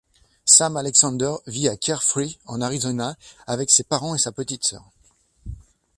Sam Alexander vit à Carefree en Arizona avec ses parents et sa petite sœur.